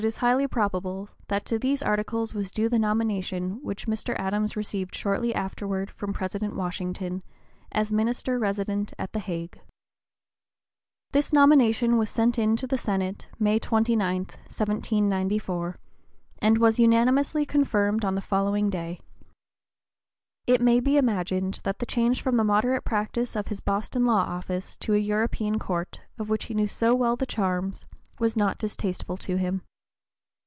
019) is highly probable, that to these articles was due the nomination which Mr. Adams received shortly afterward from President Washington, as Minister Resident at the Hague. This nomination was sent in to the Senate, May 29, 1794, and was unanimously confirmed on the following day. It may be imagined that the change from the moderate practice of his Boston law office to a European court, of which he so well knew the charms, was not distasteful to him.